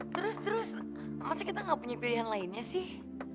terus terus maksudnya kita gak punya pilihan lainnya sih